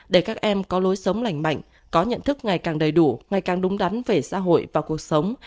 để các em có lối sống lành mạnh có nhận thức ngày càng đầy đủ ngày càng đúng đắn về xã hội và cuộc sống